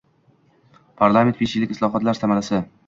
Parlament: besh yillik islohotlar samarasi